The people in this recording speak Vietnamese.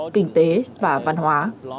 kinh tế và văn hóa